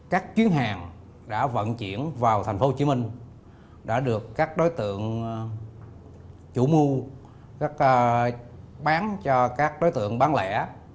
các chuyến hàng đã vận chuyển vào tp hcm đã được các đối tượng chủ mưu bán cho các đối tượng bán lẻ